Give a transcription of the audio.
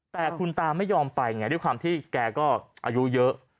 แต่คุณตาไม่ยอมไปไงด้วยความที่แกก็อายุเยอะ